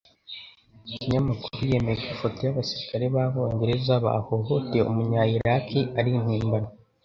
Ikinyamakuru yemeye ko Ifoto y'abasirikare b'Abongereza bahohoteye Umunyayiraki ari impimbano